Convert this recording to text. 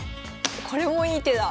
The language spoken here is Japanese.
これもいい手だ。